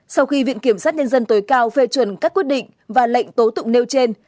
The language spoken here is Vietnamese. sau khi viện kiểm sát nhân dân tối cao phê chuẩn các quyết định và lệnh tố tụng nêu trên